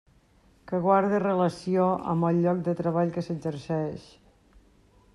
Que guarde relació amb el lloc de treball que s'exerceix.